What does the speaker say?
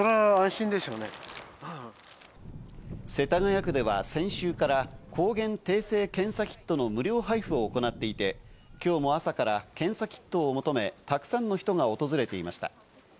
世田谷区では先週から抗原定性検査キットの無料配布を行っていて、今日も朝から検査キットを求め、たくさんの人が訪れていました。